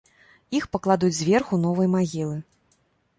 Іх пакладуць зверху новай магілы.